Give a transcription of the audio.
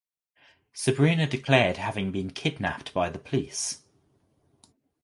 Sabrina declared having been kidnapped by the police.